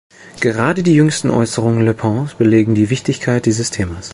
Gerade die jüngsten Äußerungen Le Pens belegen die Wichtigkeit dieses Themas.